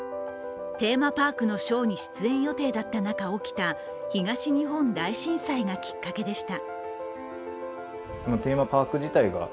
テーマパークのショーに出演予定だった中、起きた東日本大震災がきっかけでした。